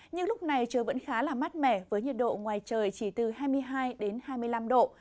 nhưng lúc này trời vẫn khá là mát mẻ với nhiệt độ ngoài trời chỉ từ hai mươi hai đến hai mươi năm độ